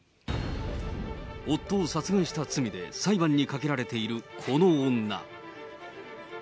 夫を殺害した罪で裁判にかけられているこの女。